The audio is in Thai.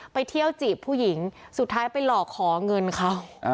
ไปเที่ยวจีบผู้หญิงสุดท้ายไปหลอกขอเงินเขา